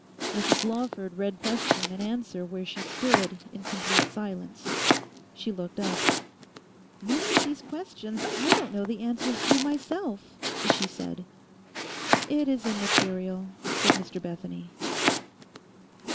Mrs Lawford read question and answer where she stood, in complete silence. She looked up. 'Many of these questions I don't know the answers to myself,' she said. 'It is immaterial,' said Mr Bethany.